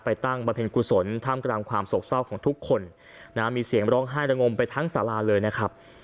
ไปตั้งประเภทกุศลธรรมกรามสกเศร้าของทุกคนมีเสียงร้องไห้ระงมไปทั้งสลาเลยนะครับ